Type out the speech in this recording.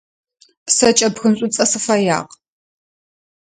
Сэ кӏэпхын шӏуцӏэ сыфэягъ.